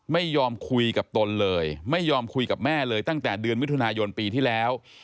ไม่ยอมคุยกับตนเลยไม่ยอมคุยกับแม่เลยตั้งแต่เดือนมิถุนายนปีที่แล้ว